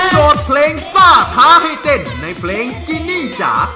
โจทย์เพลงซ่าท้าให้เต้นในเพลงจินี่จ๋า